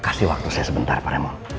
kasih waktu saya sebentar pak remo